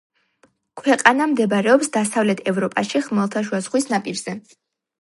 ქვეყანა მდებარეობს დასავლეთ ევროპაში, ხმელთაშუა ზღვის ნაპირზე.